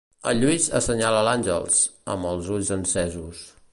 El Lluís assenyala l'Àngels, amb els ulls encesos.